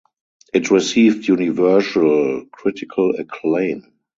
It received universal critical acclaim.